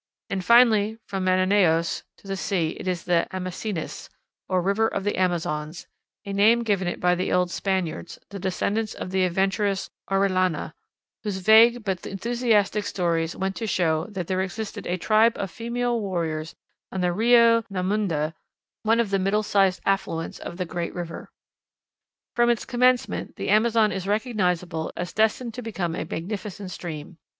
And, finally, from Manaos to the sea it is the Amasenas, or river of the Amazons, a name given it by the old Spaniards, the descendants of the adventurous Orellana, whose vague but enthusiastic stories went to show that there existed a tribe of female warriors on the Rio Nhamunda, one of the middle sized affluents of the great river. From its commencement the Amazon is recognizable as destined to become a magnificent stream.